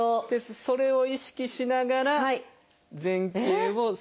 それを意識しながら前傾を数回繰り返すと。